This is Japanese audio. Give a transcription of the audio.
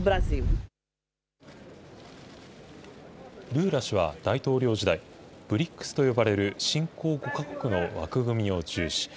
ルーラ氏は大統領時代、ＢＲＩＣＳと呼ばれる新興５か国の枠組みを重視。